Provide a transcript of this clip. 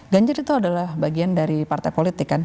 ganjar itu adalah bagian dari partai politik kan